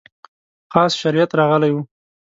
خاص شریعت راغلی و.